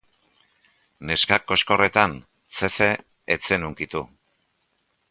Neska koxkorretan, Sethe ez zen hunkitu.